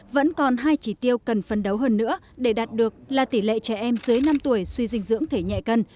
vẫn còn hai chỉ tiêu cần phân đấu hơn nữa để đạt được là tỷ lệ trẻ em dưới năm tuổi suy dinh dưỡng thể nhẹ cân